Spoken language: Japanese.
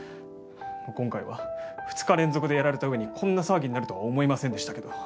今回は２日連続でやられた上にこんな騒ぎになるとは思いませんでしたけど。